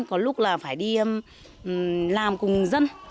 có lúc là phải đi làm cùng dân